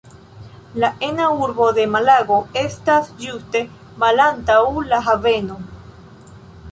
La ena urbo de Malago estas ĝuste malantaŭ la haveno.